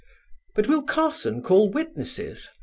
"But will Carson call witnesses?"